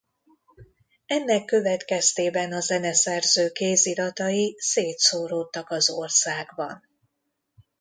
Ennek következtében a zeneszerző kéziratai szétszóródtak az országban.